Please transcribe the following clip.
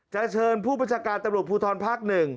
เชิญผู้บัญชาการตำรวจภูทรภาค๑